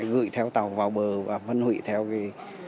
gửi theo tàu vào bờ và vân hủy theo cái